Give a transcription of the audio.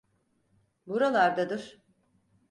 Buralardadır.